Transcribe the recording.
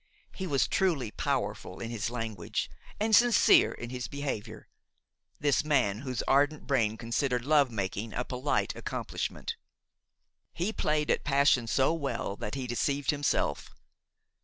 He was truly powerful in his language and sincere in his behavior–this man whose ardent brain considered love making a polite accomplishment. He played at passion so well that he deceived himself.